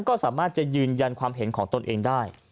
ก็สามารถจะยืนยันความเห็นของตนเองได้